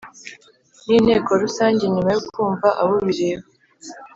n Inteko rusange nyuma yo kumva abo bireba